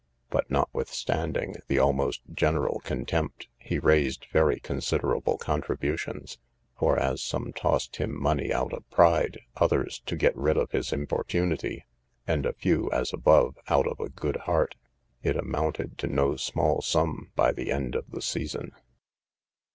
But, notwithstanding the almost general contempt, he raised very considerable contributions; for, as some tossed him money out of pride, others to get rid of his importunity, and a few, as above, out of a good heart, it amounted to no small sum by the end of the season.